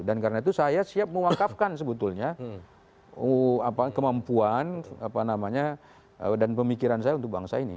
dan karena itu saya siap mewakafkan sebetulnya kemampuan dan pemikiran saya untuk bangsa ini